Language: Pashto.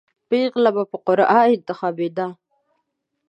پېغله به په قرعه انتخابېده.